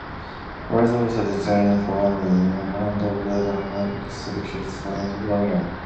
He was also descended from the Macdonalds of Keppoch through his paternal grandmother.